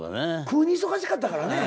食うに忙しかったからね。